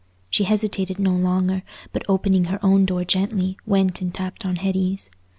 She hesitated no longer, but, opening her own door gently, went and tapped on Hetty's.